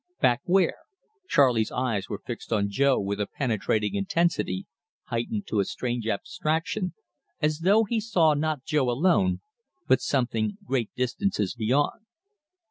"Back where?" Charley's eyes were fixed on Jo with a penetrating intensity, heightened to a strange abstraction, as though he saw not Jo alone, but something great distances beyond.